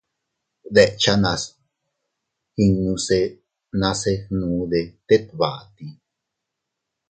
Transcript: Dechanas innuse nase gnude tet bati.